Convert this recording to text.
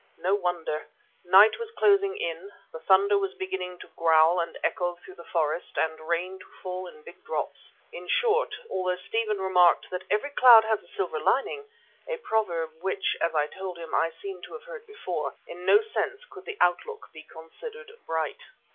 No wonder; night was closing in, the thunder was beginning to growl and echo through the forest and rain to fall in big drops. In short, although Stephen remarked that every cloud has a silver lining, a proverb which, as I told him, I seemed to have heard before, in no sense could the outlook be considered bright.